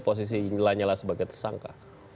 posisi nilai nyala sebagai tersangka